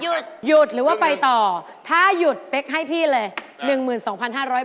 หยุดหยุดหรือว่าไปต่อถ้าหยุดเป๊กให้พี่เลย